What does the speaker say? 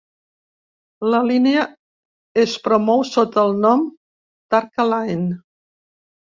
La línia es promou sota el nom "Tarka Line".